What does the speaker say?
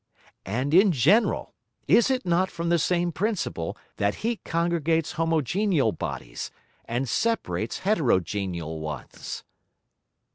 And in general, is it not from the same Principle that Heat congregates homogeneal Bodies, and separates heterogeneal ones?